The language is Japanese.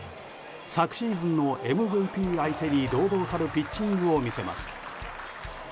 昨シーズンのＭＶＰ相手に堂々たるピッチングを見せます。